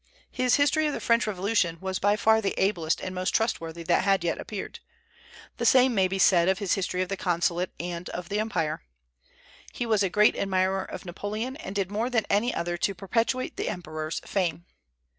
His History of the French Revolution was by far the ablest and most trustworthy that had yet appeared. The same may be said of his History of the Consulate and of the Empire. He was a great admirer of Napoleon, and did more than any other to perpetuate the Emperor's fame.